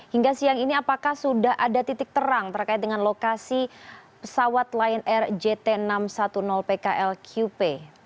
hingga siang ini apakah sudah ada titik terang terkait dengan lokasi pesawat lion air jt enam ratus sepuluh pklqp